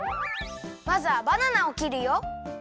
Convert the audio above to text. まずはバナナをきるよ。